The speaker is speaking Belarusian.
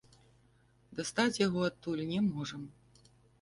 Дастаць яго адтуль не можам.